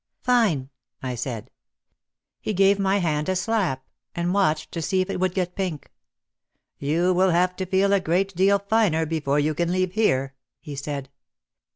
"Fine !" I said. He gave my hand a slap and watched to see if it would get pink. "You will have to feel a great deal 'finer' before you can leave here," he said.